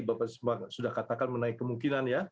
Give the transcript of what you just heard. bapak sudah katakan menaik kemungkinan ya